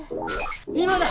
今だ！